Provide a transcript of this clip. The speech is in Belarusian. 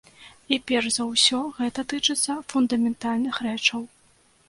І перш за ўсё гэта тычыцца фундаментальных рэчаў.